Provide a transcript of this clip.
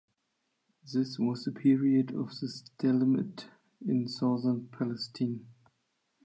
This was the period of the Stalemate in Southern Palestine.